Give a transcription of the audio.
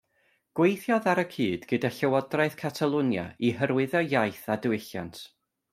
Gweithiodd ar y cyd gyda Llywodraeth Catalwnia i hyrwyddo iaith a diwylliant.